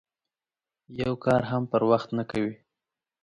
یو کار هم پر وخت نه کوي.